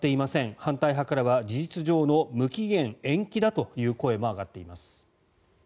反対派からは事実上の無期限延期だという声も上がっています。